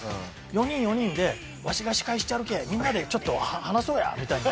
４人４人で「わしが司会しちゃるけぇみんなでちょっと話そうや」みたいに。